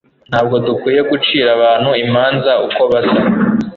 ntabwo dukwiye gucira abantu imanza uko basa